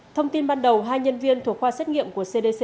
thông tin ban đầu hai nhân viên thuộc khoa xét nghiệm của cdc